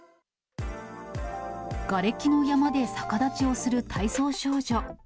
がれきの山で逆立ちをする体操少女。